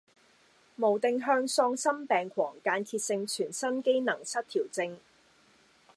無定向喪心病狂間歇性全身機能失調症